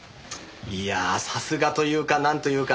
いやあさすがというかなんというか。